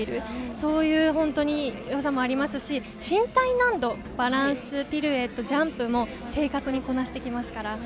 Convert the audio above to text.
そういう技もありますし、身体難度バランス、ピルエット、ジャンプも正確にこなしてきますから。